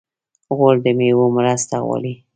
غول د میوو مرسته غواړي.